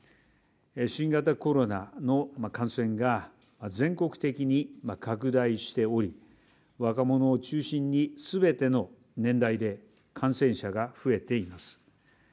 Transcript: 新型コロナの感染が全国的に拡大しており、若者を中心に全ての年代で感染者が増えています。